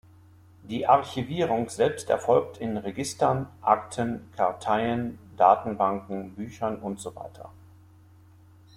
Die Archivierung selbst erfolgt in Registern, Akten, Karteien, Datenbanken, Büchern usw.